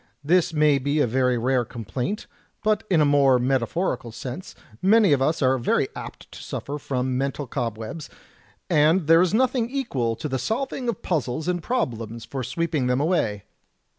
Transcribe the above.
This may be a very rare complaint, but in a more metaphori cal sense, many of us are very apt to suffer from mental cob webs, and there is nothing equal to the solving of puzzles and problems for sweeping them away.